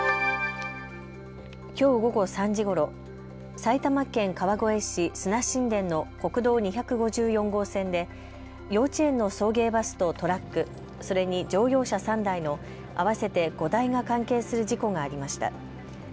きょう午後３時ごろ、埼玉県川越市砂新田の国道２５４号線で幼稚園の送迎バスとトラック、それに乗用車３台の合わせて５台が関係する事故がありました。